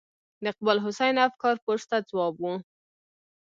د اقبال حسین افګار پوسټ ته ځواب و.